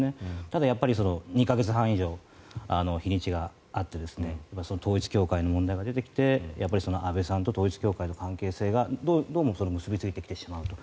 ただやっぱり２か月半以上、日にちがあって統一教会の問題が出てきて安倍さんと統一教会の関係性がどうも結びついてきてしまうと。